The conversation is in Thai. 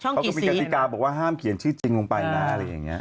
เขาก็บีกษิกาบอกว่าห้ามเขียนชื่อจริงลงไปนะ